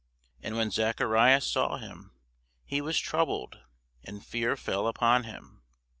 And when Zacharias saw him, he was troubled, and fear fell upon him.